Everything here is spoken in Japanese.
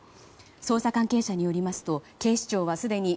捜査関係者によりますと警視庁はすでに